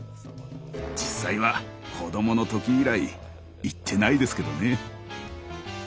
実際は子供の時以来行ってないですけどね。